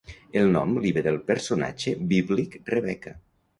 El nom li ve del personatge bíblic Rebeca.